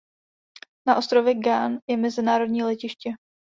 Na ostrově Gan je mezinárodní letiště.